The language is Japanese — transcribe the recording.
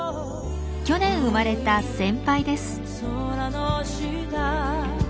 去年生まれた先輩です。